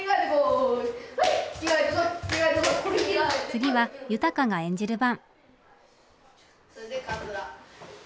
次は悠鷹が演じる番。